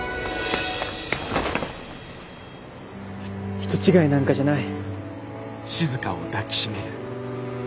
人違いなんかじゃない。